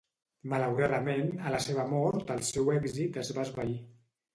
Malauradament a la seva mort el seu èxit es va esvair.